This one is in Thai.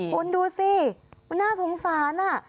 คนดูสิน่าสงสารอ่ะ